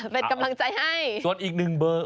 เป็นกำลังใจให้ส่วนอีกหนึ่งเบอร์